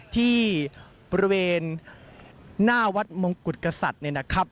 ที่บริเวณหน้าวัดมงกุฎกษัตริย์เนี่ยนะครับ